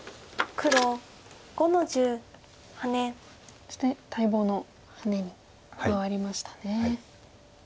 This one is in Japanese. そして待望のハネに回りましたね。